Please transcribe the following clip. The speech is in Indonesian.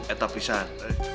eh tapi shan